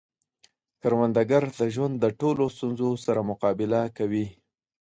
کروندګر د ژوند د ټولو ستونزو سره مقابله کوي